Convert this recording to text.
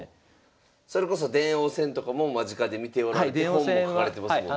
それこそ電王戦とかも間近で見ておられて本も書かれてますもんね。